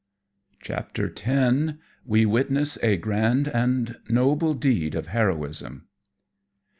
CHAPTER X. WE WITNESS A GRAND AND NOBLE DEED OF HEROISM.